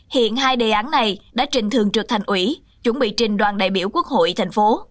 hiện hai đề án này đã trình thường trực thành ủy chuẩn bị trình đoàn đại biểu quốc hội thành phố